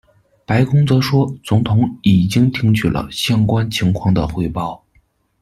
白宫则说，总统已经听取了相关情况的汇报。